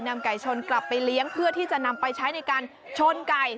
ไก่ชนกลับไปเลี้ยงเพื่อที่จะนำไปใช้ในการชนไก่